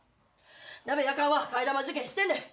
なべやかんは替え玉受験してんねん。